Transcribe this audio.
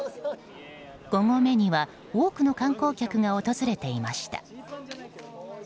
５合目には多くの観光客が訪れていました。